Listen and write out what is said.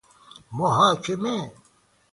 محاکمه